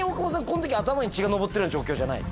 この時頭に血が上ってるような状況じゃない？